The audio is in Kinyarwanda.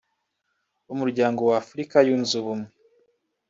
Umuryango w’Afurika Yunze Ubumwe